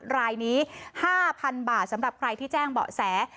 รายนี้๕๐๐๐บาทสำหรับใครที่แจ้งเบาะแส